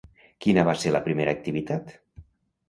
Quina va ser la primera activitat?